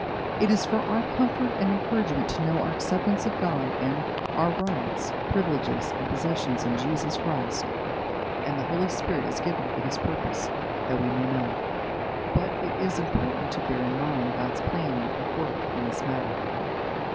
It is for our comfort and encouragement to know our acceptance of God and our rights, privileges, and possessions in Jesus Christ, and the Holy Spirit is given for this purpose, that we may know. But it is important to bear in mind God's plan of work in this matter.